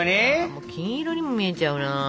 もう金色にも見えちゃうな。